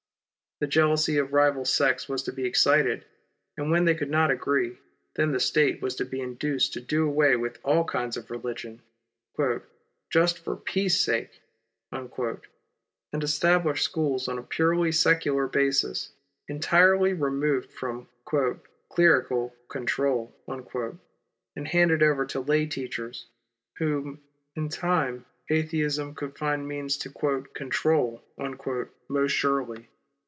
The jealousy of rival sects was to be excited, and when they could not agree, then the State was to be induced to do away with all kinds of religion "just for peace sake," and establish schools on a purely secular basis, entirely removed from " clerical control," and handed over to lay teachers, whom in time Atheism could find means to " control " most surely.